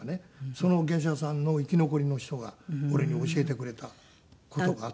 その芸者さんの生き残りの人が俺に教えてくれた事があったの。